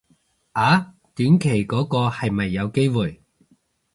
啊短期嗰個係咪有機會